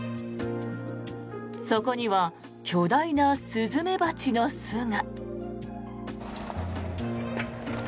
そこには巨大なスズメバチの巣が。